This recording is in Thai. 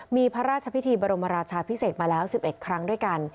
มีพระราชพิธีบรมราชาพิเศษมาแล้ว๑๑ครั้งด้วยกัน